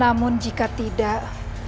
namun jika tidak